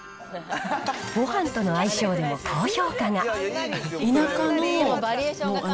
ごはんとの相性でも高評価が。